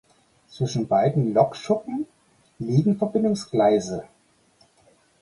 Zwischen beiden Lokschuppen liegen Verbindungsgleise.